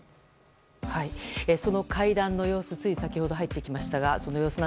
その会談の様子つい先ほど入ってきました。